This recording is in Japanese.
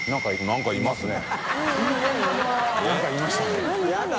何かいますね。